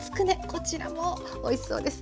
こちらもおいしそうです。